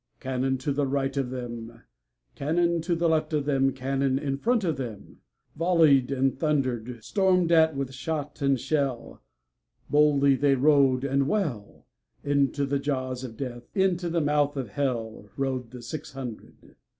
Cannon to right of them, Cannon to left of them, Cannon in front of themVolley'd and thunder'd; Storm'd at with shot and shell, Boldly they rode and well, Into the jaws of Death, Into the mouth of HellRode the six hundred.